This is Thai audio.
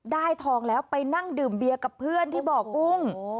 ทองแล้วไปนั่งดื่มเบียร์กับเพื่อนที่บ่อกุ้ง